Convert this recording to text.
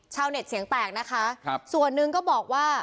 ชาวเน็ตเสียงแตกนะคะครับส่วนหนึ่งก็บอกว่า